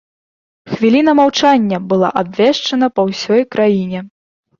Хвіліна маўчання была абвешчана па ўсёй краіне.